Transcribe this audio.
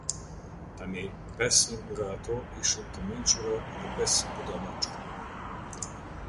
Tani pesë nga ato ishin të mençura dhe pesë budallaçka.